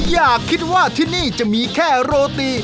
อย่าคิดว่าที่นี่จะมีแค่โรตี